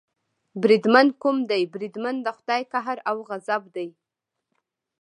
بریدمن، کوم دی بریدمن، د خدای قهر او غضب دې.